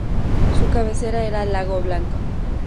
Su cabecera era Lago Blanco.